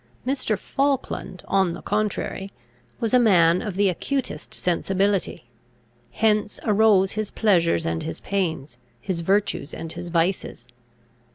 Mr. Falkland, on the contrary, was a man of the acutest sensibility; hence arose his pleasures and his pains, his virtues and his vices.